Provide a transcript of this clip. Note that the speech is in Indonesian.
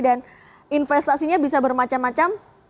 dan investasinya bisa bermacam macam